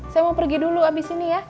saya mau pergi dulu abis ini ya